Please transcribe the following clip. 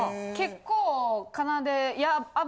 結構かなで。